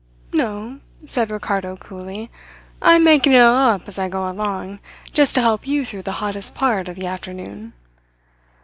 "No," said Ricardo coolly. "I am making it all up as I go along, just to help you through the hottest part of the afternoon.